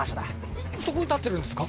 えっそこに立ってるんですか？